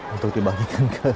untuk dibagikan ke